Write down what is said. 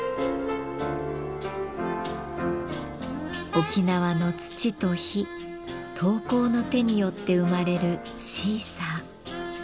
沖縄の土と火陶工の手によって生まれるシーサー。